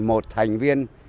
một thành viên